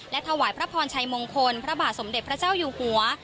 ถวายพระพรชัยมงคลพระบาทสมเด็จพระเจ้าอยู่หัว